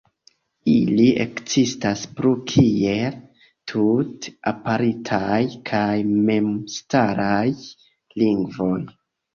Ili ekzistas plu kiel tute apartaj kaj memstaraj lingvoj.